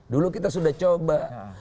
dulu kita sudah coba